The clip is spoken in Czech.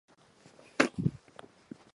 Bylo to však jen dočasné útočiště.